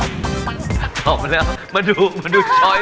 อ๋อแล้วมาดูช้อย